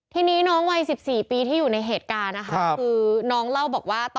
ทีนี้น้องวัย๑๔ปีที่อยู่ในเหตุการณ์นะคะคือน้องเล่าบอกว่า